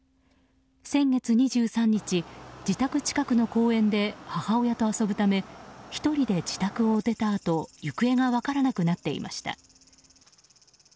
先月２３日、自宅近くの公園で母親と遊ぶため１人で自宅を出たあと行方が分からなくなっていました。